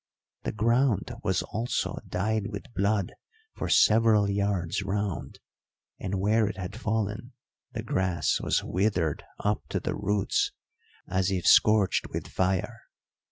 The ground was also dyed with blood for several yards round, and where it had fallen the grass was withered up to the roots, as if scorched with fire.